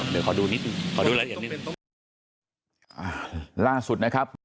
เดี๋ยวขอดูรายละเอียดนิด